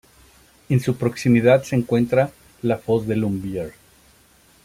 En su proximidad se encuentra la Foz de Lumbier.